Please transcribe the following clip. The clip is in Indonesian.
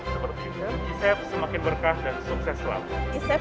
seperti ini iset semakin berkah dan sukses selalu